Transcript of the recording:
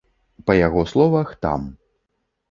Па яго словах, там.